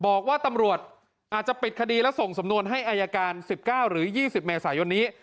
บอกว่าตำรวจอาจจะปิดคดีและส่งสำนวนให้อายการ๑๙หรือ๒๐เมษายนนี้